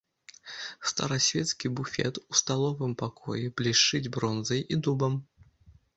Старасвецкі буфет у сталовым пакоі блішчыць бронзай і дубам.